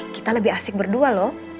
kita lebih asik berdua loh